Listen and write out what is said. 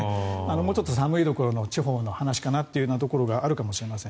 もうちょっと寒いところの地方の話かなというところがあるかもしれません。